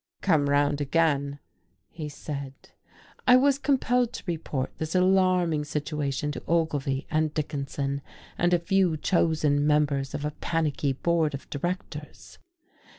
"Come 'round again," he said... I was compelled to report this alarming situation to Ogilvy and Dickinson and a few chosen members of a panicky board of directors.